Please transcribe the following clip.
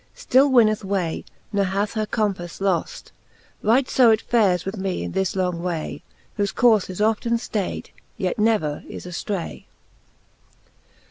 Still winneth way, ne hath her compafle loft : Right it fo fares with me in this long way, . Whofe courfe is often ftayd, yet never is aftray.